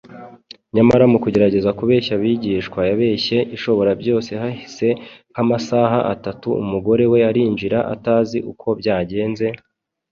nyamara mu kugerageza kubeshya abigishwa, yabeshye Ishoborabyose. Hahise nk’amasaha atatu, umugore we arinjira, atazi uko byagenze;